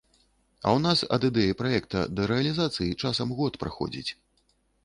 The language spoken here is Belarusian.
А ў нас ад ідэі праекта да рэалізацыі часам год праходзіць!